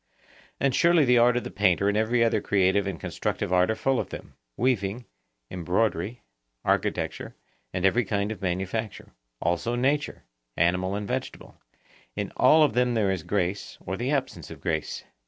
And surely the art of the painter and every other creative and constructive art are full of them,—weaving, embroidery, architecture, and every kind of manufacture; also nature, animal and vegetable,—in all of them there is grace or the absence of grace.